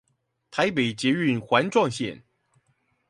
台北捷運環狀線